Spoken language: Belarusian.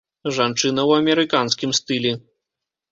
Жанчына ў амерыканскім стылі.